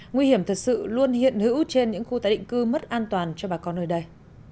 nguy hiểm thật sự luôn hiện hữu trên những khu tái định cư mất an toàn cho bà con nơi đây